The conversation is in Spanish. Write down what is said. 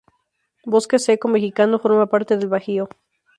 Bosques seco mexicano forma parte del bajío.